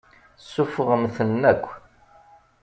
Suffɣemt-ten akk.